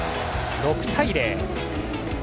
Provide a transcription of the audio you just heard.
６対０。